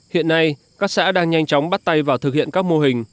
hiện nay các xã đang nhanh chóng bắt tay vào thực hiện các mô hình